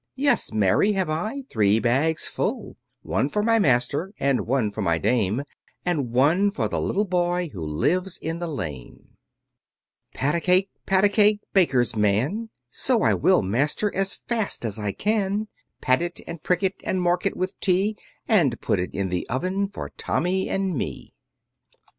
Yes, marry, have I, Three bags full; One for my master, And one for my dame, And one for the little boy Who lives in the lane. Pat a cake, pat a cake, baker's man! So I will, master, as fast as I can: Pat it, and prick it, and mark it with T, and Put in the oven for Tommy and me.